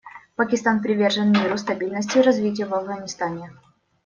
Пакистан привержен миру, стабильности и развитию в Афганистане.